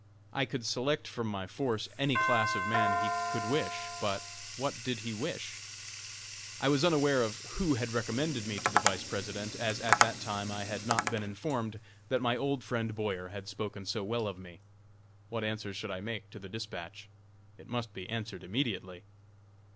I could select from my force any class of man he could wish. But what did he wish? I was unaware of who had recommended me to the Vice President, as at that time I had not been informed that my old friend Boyer had spoken so well of me. What answer should I make to the dispatch? It must be answered immediately!